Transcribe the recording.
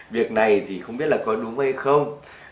việc này thì không biết là có đúng hay không